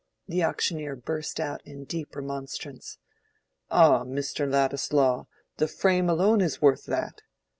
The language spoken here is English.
The auctioneer burst out in deep remonstrance. "Ah! Mr. Ladislaw! the frame alone is worth that.